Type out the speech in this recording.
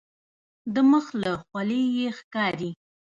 د مخ له خولیې یې ښکاري.